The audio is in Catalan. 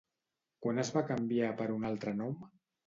Quan es va canviar per un altre nom?